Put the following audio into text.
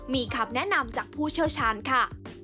มีคำแนะนำจากผู้เชี่ยวชาญค่ะ